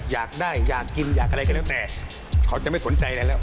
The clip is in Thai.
อยากได้อยากกินอยากอะไรก็แล้วแต่เขาจะไม่สนใจอะไรแล้ว